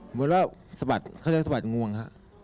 เหมือนว่าเขาจะสะบัดงวงครับ